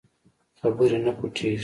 خبرې نه پټېږي.